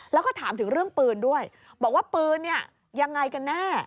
แล้วก็ถามถึงเรื่องปืนด้วยบอกว่าปืนเนี่ยยังไงกันแน่